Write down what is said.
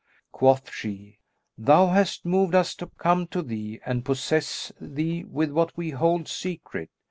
Quoth she, "Thou hast moved us to come to thee and possess thee with what we hold secret."